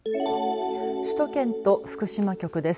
首都圏と福島局です。